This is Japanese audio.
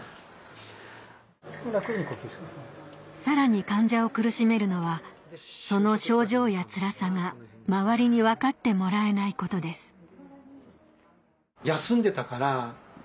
さらに患者を苦しめるのはその症状やつらさが周りに分かってもらえないことです